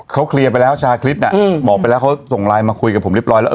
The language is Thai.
เขาเคลียร์ไปแล้วชาคริสน่ะบอกไปแล้วเขาส่งไลน์มาคุยกับผมเรียบร้อยแล้ว